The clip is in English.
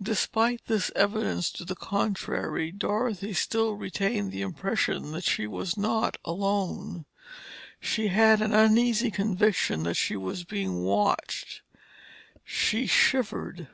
Despite this evidence to the contrary, Dorothy still retained the impression that she was not alone. She had an uneasy conviction that she was being watched. She shivered.